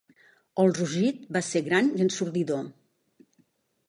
El rugit va ser gran i ensordidor.